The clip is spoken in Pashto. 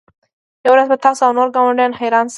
یوه ورځ به تاسو او نور ګاونډیان حیران شئ